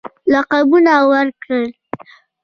لقبونه ورکړل.